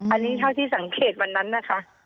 อันนี้เท่าที่สังเกตวันนั้นนะคะ